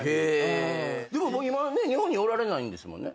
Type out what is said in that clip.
でももう今日本におられないんですもんね？